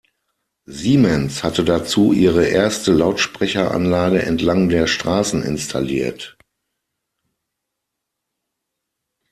Siemens hatte dazu ihre erste Lautsprecheranlage entlang der Straßen installiert.